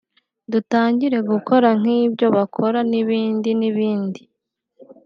dutangire gukora nk'ibyo bakora n'ibindi n'ibindi